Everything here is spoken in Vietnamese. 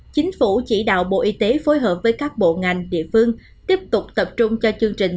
chính phủ chỉ đạo bộ y tế phối hợp với các bộ ngành địa phương tiếp tục tập trung cho chương trình